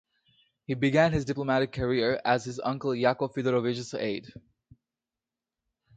He began his diplomatic career as his uncle Yakov Fyodorovich's aide.